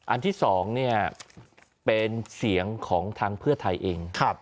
อันที่๒เป็นเสียงของทางเพื่อไทยเอง